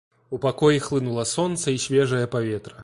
У пакой хлынула сонца і свежае паветра.